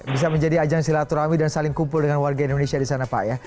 bisa menjadi ajang silaturahmi dan saling kumpul dengan warga indonesia di sana pak ya